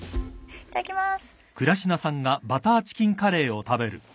いただきます。